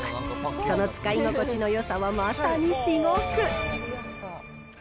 その使い心地のよさはまさに至極。